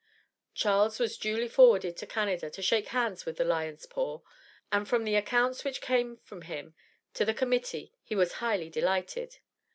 Charles was duly forwarded to Canada to shake hands with the Lion's paw, and from the accounts which came from him to the Committee, he was highly delighted.